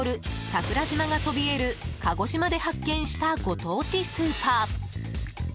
桜島がそびえる鹿児島で発見したご当地スーパー。